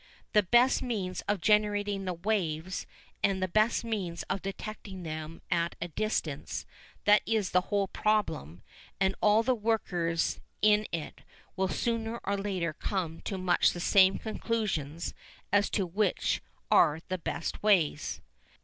The best means of generating the waves and the best means of detecting them at a distance that is the whole problem, and all the workers in it will sooner or later come to much the same conclusions as to which are the best ways.